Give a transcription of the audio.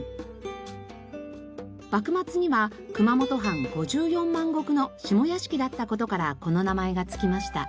幕末には熊本藩５４万石の下屋敷だった事からこの名前が付きました。